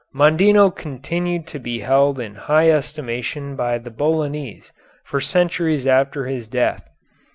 Mondino continued to be held in high estimation by the Bolognese for centuries after his death.